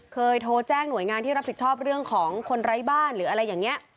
เคยโทรแจ้งหน่วยงานที่รับผิดชอบเรื่องของคนไร้บ้านหรืออะไรอย่างนี้